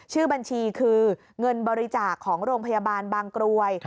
ชื่อบัญชีคือเงินบริจาคของโรงพยาบาลบางกรวย